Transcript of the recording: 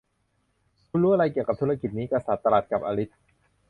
'คุณรู้อะไรเกี่ยวกับธุรกิจนี้' กษัตริย์ตรัสกับอลิซ